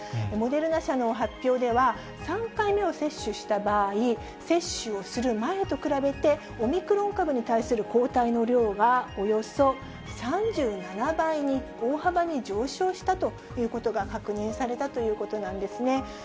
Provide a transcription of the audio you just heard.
モデルナ社の発表では、３回目を接種した場合、接種をする前と比べてオミクロン株に対する抗体の量が、およそ３７倍に大幅に上昇したということが確認されたということなんですね。